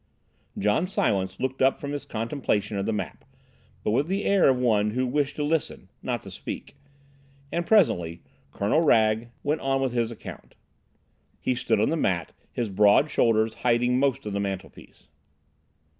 John Silence looked up from his contemplation of the map, but with the air of one who wished to listen, not to speak, and presently Colonel Wragge went on with his account. He stood on the mat, his broad shoulders hiding most of the mantelpiece.